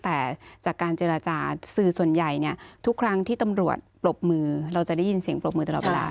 แต่จากการเจรจาสื่อส่วนใหญ่เนี่ยทุกครั้งที่ตำรวจปรบมือเราจะได้ยินเสียงปรบมือตลอดเวลา